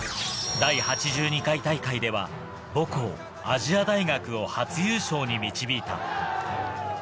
第８２回大会では母校・亜細亜大学を初優勝に導いた。